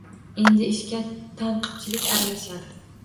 Endi ishga tanqidchilik aralashadi